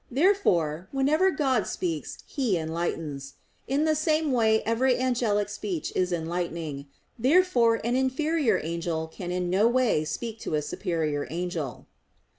Therefore, whenever God speaks, He enlightens. In the same way every angelic speech is an enlightening. Therefore an inferior angel can in no way speak to a superior angel.